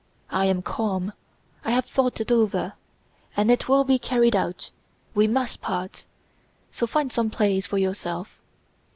I am calm. I have thought it over, and it will be carried out—we must part; so find some place for yourself...."